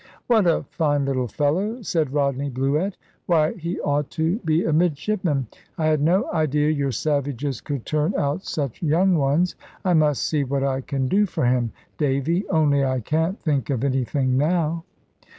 "What a fine little fellow!" said Rodney Bluett; "why, he ought to be a midshipman. I had no idea your savages could turn out such young ones. I must see what I can do for him, Davy. Only I can't think of anything now."